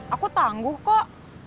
aku tangguh kok